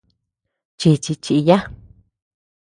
Chichi chiya.